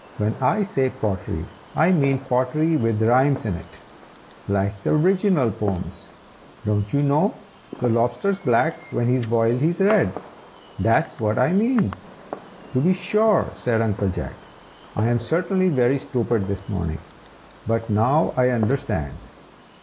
When I say pottery, I mean pottery with rhymes in it, like the Riginal Poems. Don't you know 'The Lobster's black, when boiled he's red?' that's what I mean." "To be sure!" said Uncle Jack. "I am certainly very stupid this morning, but now I understand.